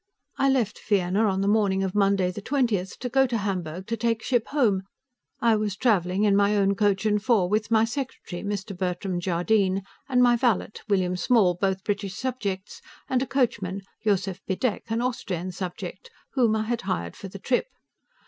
I left Vienna on the morning of Monday, the 20th, to go to Hamburg to take ship home; I was traveling in my own coach and four, with my secretary, Mr. Bertram Jardine, and my valet, William Small, both British subjects, and a coachman, Josef Bidek, an Austrian subject, whom I had hired for the trip.